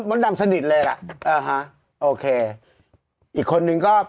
รุ่นมดดำคนหนึ่ง